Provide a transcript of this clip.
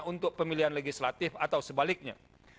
untuk pemilihan legislatif atau sebaliknya